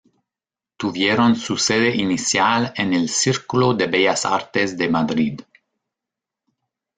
Tuvieron su sede inicial en el Círculo de Bellas Artes de Madrid.